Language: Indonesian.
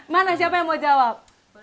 mana siapa yang mau jawab